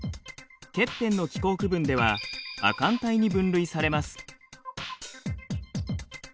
ケッペンの気候区分では亜寒帯に分類されます。